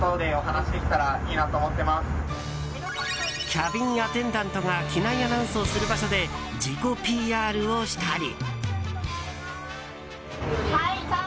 キャビンアテンダントが機内アナウンスをする場所で自己ＰＲをしたり。